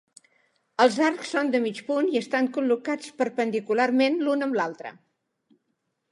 Els arcs són de mig punt i estan col·locats perpendicularment l'un amb l'altre.